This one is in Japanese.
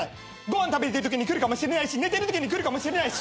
ご飯食べてるときに来るかもしれないし寝てるときに来るかもしれないし。